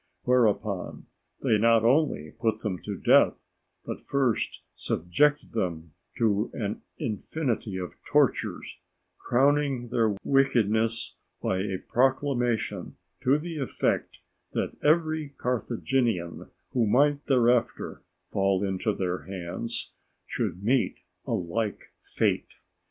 Whereupon, they not only put them to death, but first subjected them to an infinity of tortures; crowning their wickedness by a proclamation to the effect that every Carthaginian who might thereafter fall into their hands should meet a like fate.